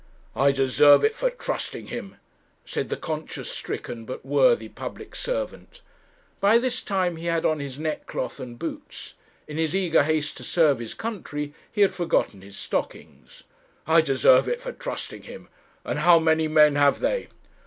'I deserve it for trusting him,' said the conscience stricken but worthy public servant. By this time he had on his neckcloth and boots; in his eager haste to serve his country he had forgotten his stockings. 'I deserve it for trusting him and how many men have they?'